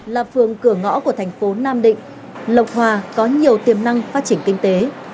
là phường cửa ngõ của thành phố nam định lộc hòa có nhiều tiềm năng phát triển kinh tế